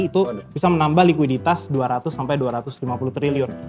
itu bisa menambah likuiditas dua ratus sampai dua ratus lima puluh triliun